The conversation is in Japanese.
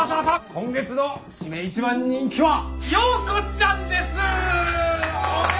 今月の指名一番人気は洋子ちゃんです！